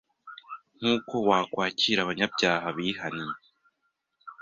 nk’uwo wo kwakira abanyabyaha bihannye